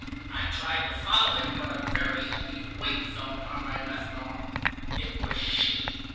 I tried to follow him, but a very heavy weight fell upon my left arm. It was she.